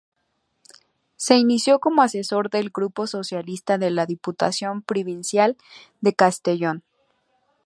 Se inició como asesor del Grupo Socialista de la Diputación Provincial de Castellón.